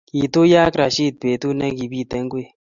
kituyo ak Rashid betut nekipitei ngwek